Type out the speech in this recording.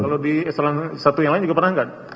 kalau di eselon satu yang lain juga pernah enggak